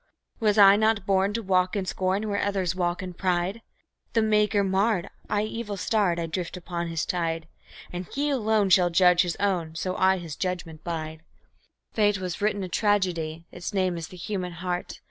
Was I not born to walk in scorn where others walk in pride? The Maker marred, and, evil starred, I drift upon His tide; And He alone shall judge His own, so I His judgment bide. Fate has written a tragedy; its name is "The Human Heart".